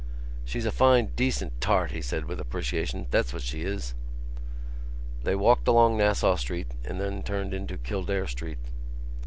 "She's a fine decent tart," he said, with appreciation; "that's what she is." They walked along Nassau Street and then turned into Kildare Street.